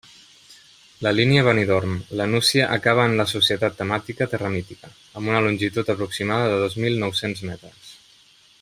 La línia Benidorm — la Nucia acaba en la Societat Temàtica Terra Mítica, amb una longitud aproximada de dos mil nou-cents metres.